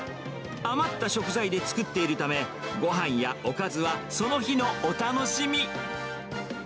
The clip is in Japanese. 余った食材で作っているため、ごはんやおかずはその日のお楽しみ。